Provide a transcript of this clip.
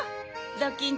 ドキン